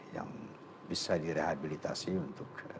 yang bisa direhabilitasi untuk